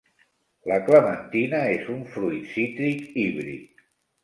La clementina és un fruit cítric híbrid